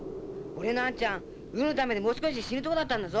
俺のあんちゃんウーのためにもう少しで死ぬとこだったんだぞ。